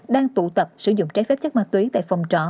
đang tụ tập sử dụng trái phép chất ma túy tại phòng trọ